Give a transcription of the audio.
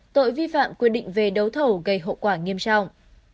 tội vi phạm quyết định về đấu thẩu gây hậu quả nghiêm trọng